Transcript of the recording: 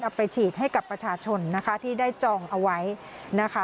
เอาไปฉีดให้กับประชาชนนะคะที่ได้จองเอาไว้นะคะ